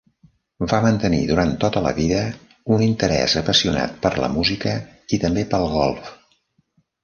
Va mantenir durant tota la vida un interès apassionat per la música i també pel golf.